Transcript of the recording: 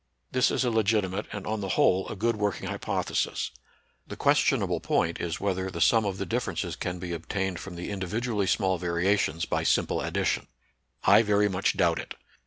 This is a legitimate and on the whole a good working hypothesis. The questionable point is whether the sum of the differences can be obtained from the individually small variations by simple addi tion. I very much doubt it.